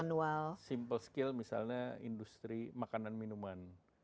kita juga lihat simple skill misalnya industri makanan minuman